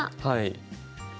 はい。